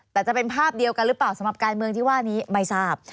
แต่จะเป็นภาพเดียวกันหรือเปล่าสำหรับการเมืองที่ว่านี้ไม่ทราบ